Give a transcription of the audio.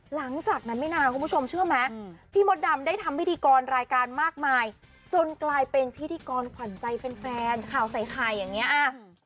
หลังจากนั้นไม่นานคุณผู้ชมเชื่อไหมพี่มดดำได้ทำพิธีกรรายการมากมายจนกลายเป็นพิธีกรขวัญใจแฟนข่าวใส่ไข่อย่างเงี้อ่ะ